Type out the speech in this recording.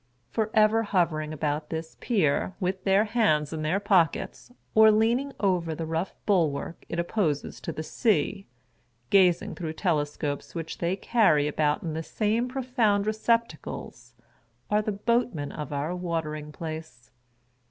For ever hovering about this pier, with their hands in their pockets, or leaning over the rough bul wark it opposes to the sea, gazing through telescopes which they carry about in the same profound receptacles, are the Boatmen of our Watering Place.